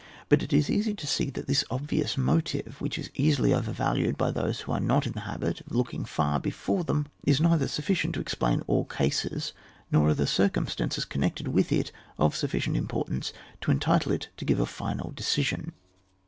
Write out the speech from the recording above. But it is easy to see that this obvious motive, which is easily ovw valued by those who ore not in the habit of looking far before them, is neither sufficient to explain all cases, nor are the circumstances con nected with it of sufficient importance to entitle it to give a final decision.